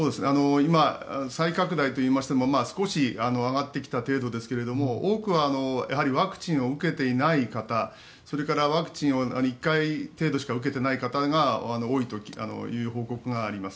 今、再拡大といいましても少し上がってきた程度ですが多くは、やはりワクチンを受けていない方それからワクチンを１回程度しか受けていない方が多いという報告があります。